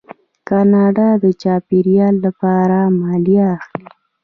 کاناډا د چاپیریال لپاره مالیه اخلي.